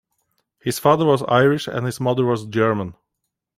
His father was Irish and his mother was German.